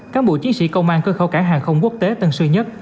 cán bộ chiến sĩ công an cơ khẩu cảng hàng không quốc tế tân sư nhất